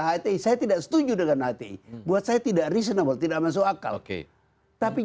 hti saya tidak setuju dengan hti buat saya tidak reasonable tidak masuk akal oke tapi